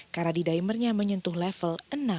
karena d dimernya menyentuh level enam ribu